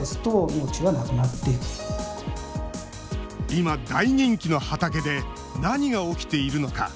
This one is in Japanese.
今、大人気の畑で何が起きているのか？